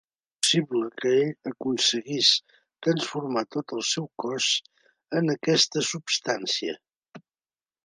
És possible que ell aconseguís transformar tot el seu cos en aquesta substància.